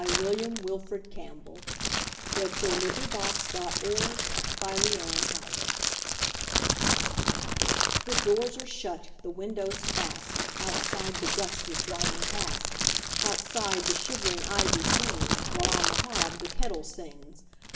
William Wilfred Campbell 1861–1918 A Canadian Folk Song CampbllWW THE DOORS are shut, the windows fast, Outside the gust is driving past, Outside the shivering ivy clings, While on the hob the kettle sings.